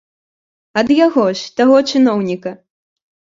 Ад яго ж, таго чыноўніка.